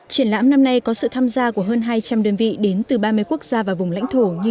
triển lãm năm nay có sự tham gia của hơn hai trăm linh đơn vị đến từ ba mươi quốc gia và vùng lãnh thổ như